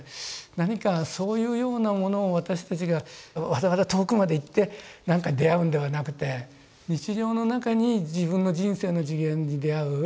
何かそういうようなものを私たちがわざわざ遠くまで行って何かに出会うんではなくて日常の中に自分の人生の次元に出会う。